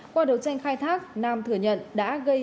quá là nghiêm trọng